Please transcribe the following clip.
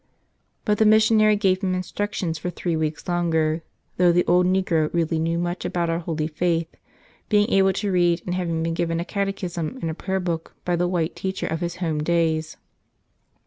But the missionary gave him instructions for three weeks longer, though the old negro really knew much about our holy faith, being able to read and having been given a catechism and a prayerbook by the white teacher of his home days.